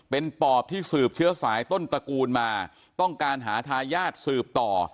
เป็นปอบที่สืบเชื้อสายต้นตระกูลมาต้องการหาทายาทสืบต่อ